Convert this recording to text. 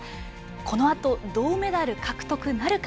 このあと銅メダル獲得なるか。